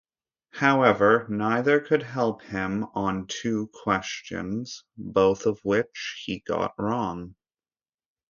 However, neither could help him on two questions, both of which he got wrong.